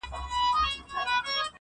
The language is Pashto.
• تر مطلبه یاري -